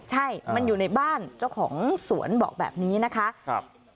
ใช่มันอยู่ในบ้านเจ้าของสวนบอกแบบนี้นะคะ